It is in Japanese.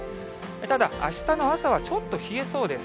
ただ、あしたの朝はちょっと冷えそうです。